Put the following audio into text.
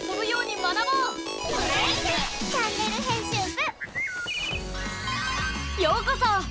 ようこそ！